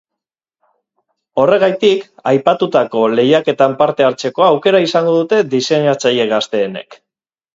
Horregatik, aipatutako lehiaketan parte hartzeko aukera izango dute diseinatzaile gazteenek.